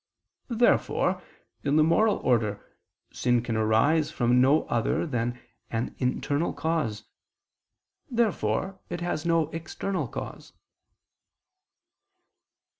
Therefore in the moral order, sin can arise from no other than an internal cause. Therefore it has no external cause.